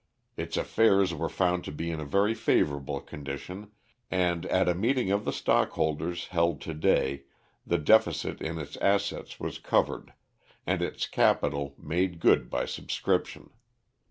Its affairs were found to be in a very favorable condition, and at a meeting of the stockholders, held to day, the deficit in its assets was covered, and its capital made good by subscription.